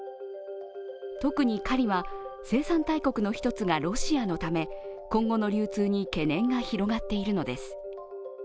特にカリは生産大国の１つがロシアのため、今後の流通に懸念が広がっているのです。